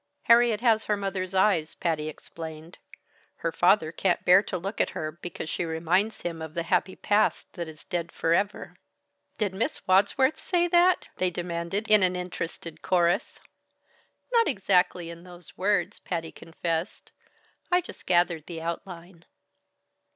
"Harriet has her mother's eyes," Patty explained. "Her father can't bear to look at her, because she reminds him of the happy past that is dead forever." "Did Miss Wadsworth say that?" they demanded in an interested chorus. "Not in exactly those words," Patty confessed. "I just gathered the outline."